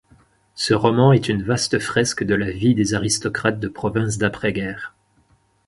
Ce roman est une vaste fresque de la vie des aristocrates de province d'après-guerre.